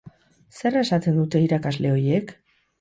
Zer eskatzen dute irakasle horiek?